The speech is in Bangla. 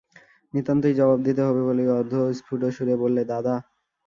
নিতান্তই জবাব দিতে হবে বলেই অর্ধস্ফুটস্বরে বললে, দাদা।